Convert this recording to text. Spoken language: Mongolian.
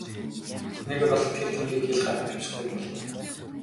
Нэг бол тэр тэмдгийг ил гаргаад тавьчихдаг юм билүү.